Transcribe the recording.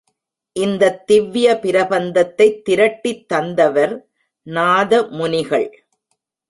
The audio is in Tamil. இந்தத் திவ்ய பிரபந்தத்தைத் திரட்டித் தந்தவர் நாதமுனிகள்.